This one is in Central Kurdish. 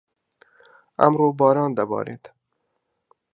ئەمڕۆ، باران دەبارێت.